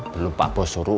belum pak bos suruh